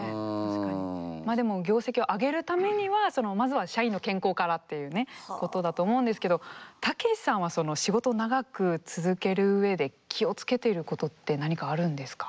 まあでも業績を上げるためにはまずは社員の健康からっていうねことだと思うんですけどたけしさんは仕事を長く続ける上で気を付けていることって何かあるんですか？